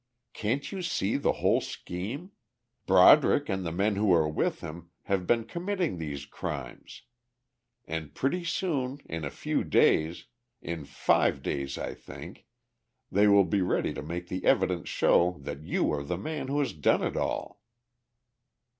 "Can't you see the whole scheme? Broderick and the men who are with him, have been committing these crimes. And pretty soon, in a few days, in five days I think, they will be ready to make the evidence show that you are the man who has done it all."